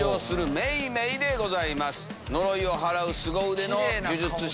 呪いをはらうすご腕の呪術師。